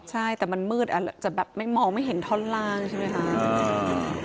ใช่แต่มันมืดอาจจะแบบไม่มองไม่เห็นท่อนล่างใช่ไหมคะ